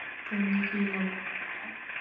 তুমি কী বলো, মারিয়া?